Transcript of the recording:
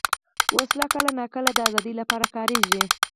وسله کله ناکله د ازادۍ لپاره کارېږي